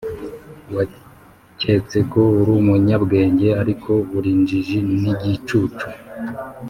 waketseko urumunyabwenge ariko urinjiji nigicucu,